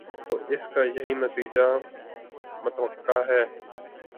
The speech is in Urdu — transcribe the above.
تو اس کا یہی نتیجہ متوقع ہے۔